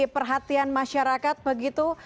perhatian masyarakat begitu